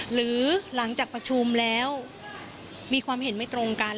หรือหลังจากประชุมแล้วมีความเห็นไม่ตรงกัน